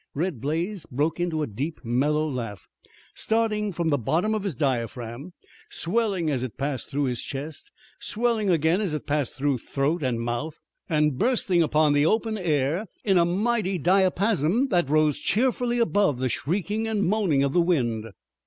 Red Blaze broke into a deep mellow laugh, starting from the bottom of his diaphragm, swelling as it passed through his chest, swelling again as it passed through throat and mouth, and bursting upon the open air in a mighty diapason that rose cheerfully above the shrieking and moaning of the wind.